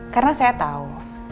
karena saya tahu